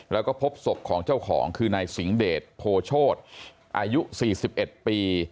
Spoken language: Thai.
แล้วก็พบศพของเจ้าของคือนายสิงห์เดชโภชดอายุสี่สิบเอ็ดปี